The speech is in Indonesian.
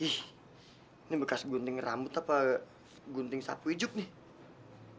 ih ini bekas gunting rambut apa gunting sapu ijuk nih